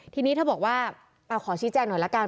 ทีนี้เธอบอกว่าขอชี้แจงหน่อยละกัน